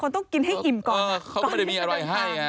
ต้องกินให้อิ่มก่อนเออเขาก็ไม่ได้มีอะไรให้ไง